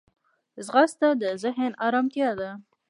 ځغاسته د ذهن ارمتیا ده